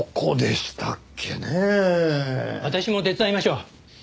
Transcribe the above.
私も手伝いましょう。